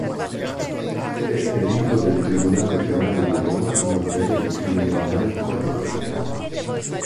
È perito del tribunale penale di Roma in materia di criminalità informatica.